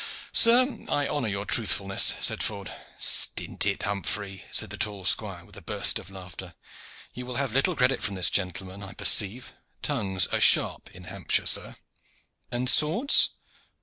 "Sir, I honor your truthfulness," said Ford. "Stint it, Humphrey," said the tall squire, with a burst of laughter. "You will have little credit from this gentleman, I perceive. Tongues are sharp in Hampshire, sir." "And swords?"